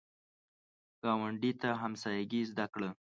ګاونډي ته همسایګي زده کړه